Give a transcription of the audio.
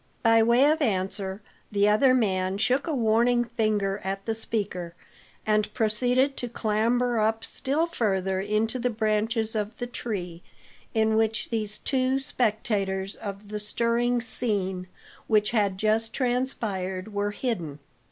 By way of answer, the other man shook a warning finger at the speaker, and proceeded to clamber up still further into the branches of the tree in which these two spectators of the stirring scene which had just transpired were hidden.